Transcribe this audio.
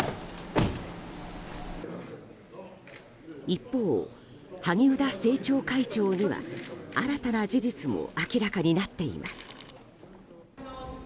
一方、萩生田政調会長には新たな事実も明らかになっています。